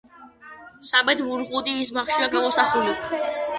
სამედ ვურღუნი მის ბაღშია გამოსახული.